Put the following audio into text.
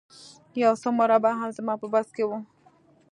یو څه مربا هم زما په بکس کې وه